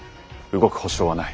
動く保証はない。